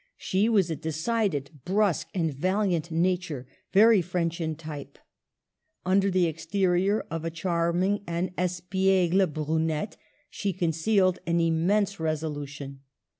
She was a decided, brusque, and valiant nature, very French in type. Under the exterior of a charm ing and espiegle brunette she concealed an im mense resolution.